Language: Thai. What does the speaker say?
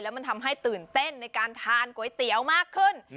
มันทำให้ตื่นเต้นในการทานก๋วยเตี๋ยวมากขึ้น